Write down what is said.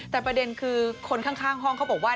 แต่ประเด็นคือคนข้างห้องเขาบอกว่า